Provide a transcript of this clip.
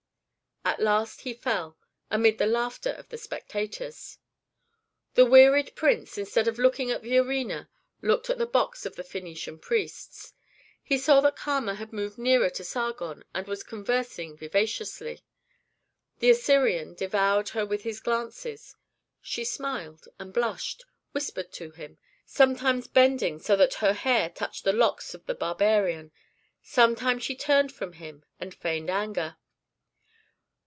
At last he fell, amid the laughter of the spectators. The wearied prince, instead of looking at the arena, looked at the box of the Phœnician priests. He saw that Kama had moved nearer to Sargon and was conversing vivaciously. The Assyrian devoured her with his glances; she smiled and blushed, whispered with him, sometimes bending so that her hair touched the locks of the barbarian; sometimes she turned from him and feigned anger.